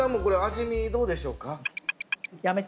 どうでしょうか？